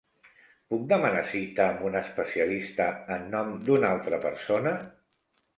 Puc demanar cita amb un especialista en nom d'una altra persona?